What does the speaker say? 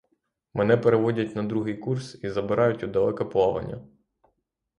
Мене переводять на другий курс і забирають у далеке плавання.